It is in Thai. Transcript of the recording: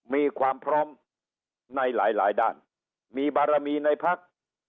มีความพร้อมในหลายด้านมีบารมีในพัก